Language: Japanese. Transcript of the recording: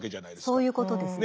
そういうことですね。